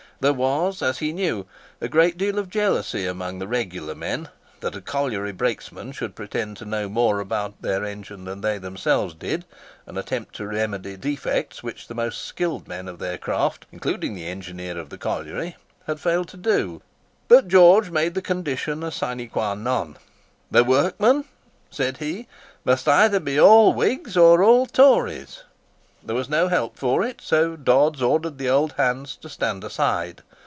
There was, as he knew, a good deal of jealousy amongst the "regular" men that a colliery brakesman should pretend to know more about their engine than they themselves did, and attempt to remedy defects which the most skilled men of their craft, including the engineer of the colliery, had failed to do. But George made the condition a sine quâ non. "The workmen," said he, "must either be all Whigs or all Tories." There was no help for it, so Dodds ordered the old hands to stand aside.